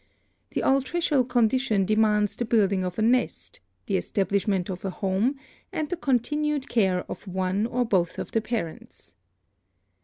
The altricial condition demands the building of a nest, the establishment of a home and the continued care of one or both of the parents.